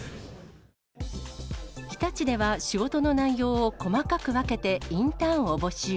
日立では仕事の内容を細かく分けてインターンを募集。